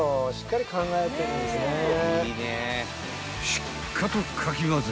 ［しっかとかきまぜ